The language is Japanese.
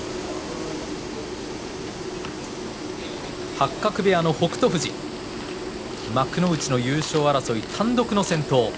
八角部屋の北勝富士幕内の優勝争い、単独の先頭。